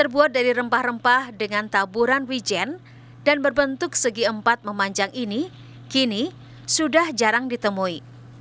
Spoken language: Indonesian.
berbentuk segi empat memanjang ini kini sudah jarang ditemui